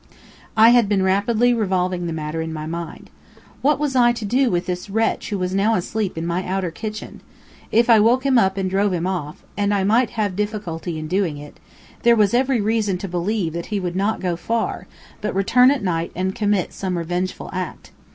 I had been rapidly revolving the matter in my mind. What was I to do with this wretch who was now asleep in my outer kitchen? If I woke him up and drove him off, and I might have difficulty in doing it, there was every reason to believe that he would not go far, but return at night and commit some revengeful act.